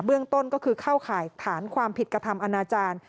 เรื่องต้นก็คือเข้าข่ายฐานความผิดกระทำอนาจารย์